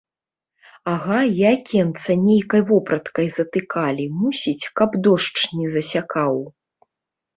Ага, і акенца нейкай вопраткай затыкалі, мусіць, каб дождж не засякаў.